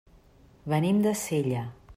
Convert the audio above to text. Venim de Sella.